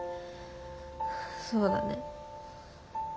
そうだね。